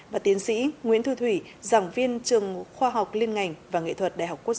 và tiến sĩ nguyễn thư thủy giảng viên trường khoa học liên ngành và nghệ thuật đại học quốc gia